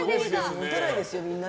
打てないんですよ、みんな。